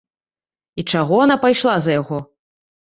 І чаго яна пайшла за яго?